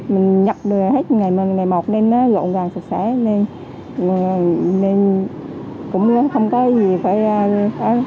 mình nhập được hết ngày mọt nên nó rộng ràng sạch sẽ nên cũng không có gì phải